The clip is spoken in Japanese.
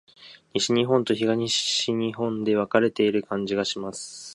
西日本と東日本で分かれている感じがします。